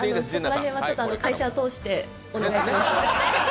その辺は会社を通してお願いします。